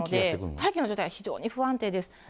大気の状態、非常に不安定です。